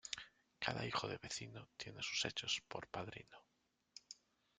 Cada hijo de vecino tiene sus hechos por padrino.